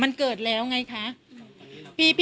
กินโทษส่องแล้วอย่างนี้ก็ได้